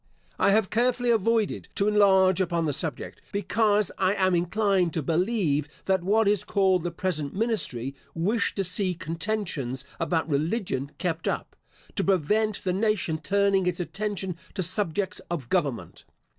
I have carefully avoided to enlarge upon the subject, because I am inclined to believe that what is called the present ministry, wish to see contentions about religion kept up, to prevent the nation turning its attention to subjects of government.